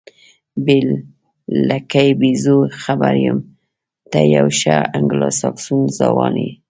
بې لکۍ بیزو، خبر یم، ته یو ښه انګلوساکسون ځوان یې.